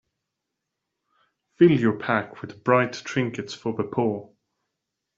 Fill your pack with bright trinkets for the poor.